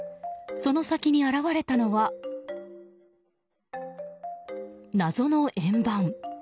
その先に現れたのは謎の円盤。